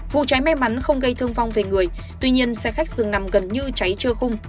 vụ cháy may mắn không gây thương vong về người tuy nhiên xe khách dừng nằm gần như cháy trơ khung